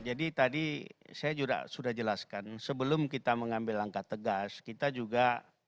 jadi tadi saya juga sudah jelaskan sebelum kita mengambil langkah tegas kita juga